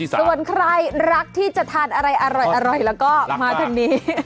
ส่วนใครรักที่จะทานอะไรอร่อยแล้วก็มาทางนี้